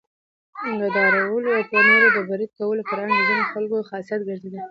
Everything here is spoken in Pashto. د ډارولو او پر نورو د بريد کولو فرهنګ د ځینو خلکو خاصيت ګرځېدلی.